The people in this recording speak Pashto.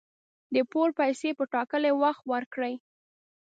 د پور پیسي په ټاکلي وخت ورکړئ